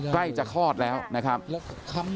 ใกล้จะคลอดแล้วนะครับ